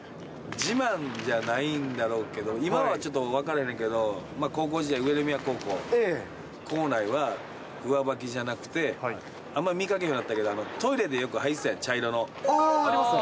自慢じゃないんだろうけど、今はちょっと分かれへんけど、高校時代、上宮高校、校内は、上履きじゃなくて、あんま見かけへんようになったけど、トイレであぁ、ありますね。